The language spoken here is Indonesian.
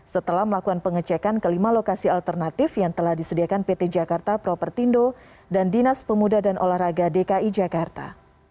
setelah melakukan pengecekan kelima lokasi alternatif yang telah disediakan pt jakarta propertindo dan dinas pemuda dan olahraga dki jakarta